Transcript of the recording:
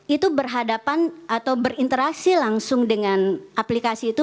itu berhadapan atau berinteraksi langsung dengan aplikasi itu